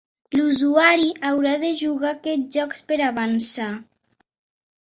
L'usuari haurà de jugar aquests jocs per avançar.